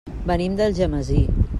Venim d'Algemesí.